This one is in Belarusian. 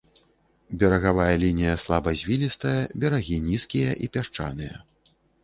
Берагавая лінія слабазвілістая, берагі нізкія і пясчаныя.